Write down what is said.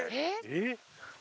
えっ！